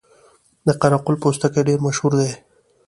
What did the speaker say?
د قره قل پوستکي ډیر مشهور دي